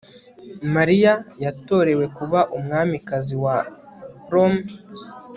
Mariya yatorewe kuba umwamikazi wa prom